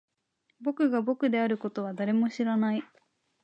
僕が僕であることは誰も知らない